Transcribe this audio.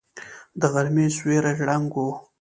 د غرمې سيوری ړنګ و.